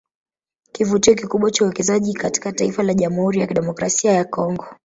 Kivutio kikubwa cha uwekezaji katika taifa la Jamhuri ya kidemokrasia ya Congo